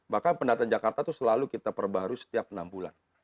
bahkan pendataan jakarta itu selalu kita perbarui setiap enam bulan